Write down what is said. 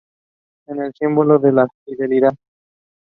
St Michael is putatively the protector against earth quake.